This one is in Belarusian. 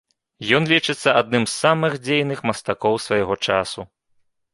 Ён лічыцца адным з самых дзейных мастакоў свайго часу.